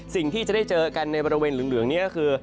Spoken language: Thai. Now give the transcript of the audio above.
สิ่งที่จะได้เจอกันในบริเวณเหลืองนี้ก็คือ